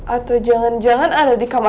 atau jangan jangan ada di kamar